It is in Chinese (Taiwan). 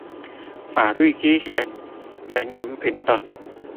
法律之前人人平等